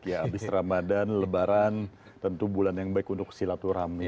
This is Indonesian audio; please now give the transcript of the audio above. ya abis ramadan lebaran tentu bulan yang baik untuk silaturahmi